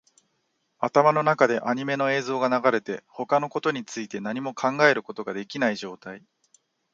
頭の中でアニメの映像が流れて、他のことについて何も考えることができない状態